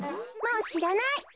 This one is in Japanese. もうしらない！